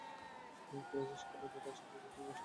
কুরাইশের সকল নেতা আসন্ন যুদ্ধে স্ব-শরীরে অংশ নেবেন।